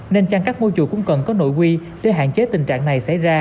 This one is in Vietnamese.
nên chăng các môi trụ cũng cần có nội quy để hạn chế tình trạng này xảy ra